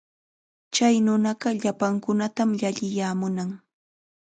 Chay nunaqa llapankunatam llalliya munan.